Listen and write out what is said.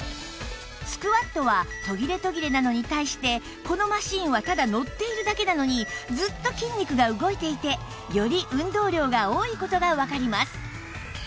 スクワットは途切れ途切れなのに対してこのマシンはただ乗っているだけなのにずっと筋肉が動いていてより運動量が多い事がわかります